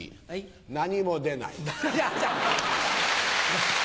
何も出ない。